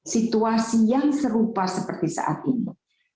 situasi yang serupa seperti saat ini